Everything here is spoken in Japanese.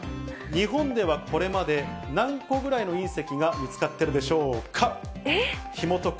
日本ではこれまで、何個ぐらいの隕石が見つかっているでしょうか。